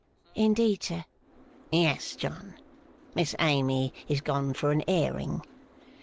'Indeed, sir?' 'Yes, John. Miss Amy is gone for an airing.